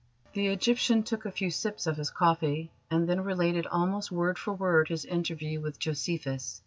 The Egyptian took a few sips of his coffee, and then related almost word for word his interview with Josephus.